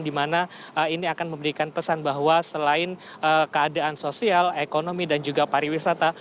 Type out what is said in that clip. di mana ini akan memberikan pesan bahwa selain keadaan sosial ekonomi dan juga pariwisata